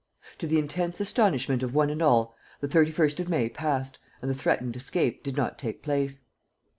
To the intense astonishment of one and all, the 31st of May passed and the threatened escape did not take place.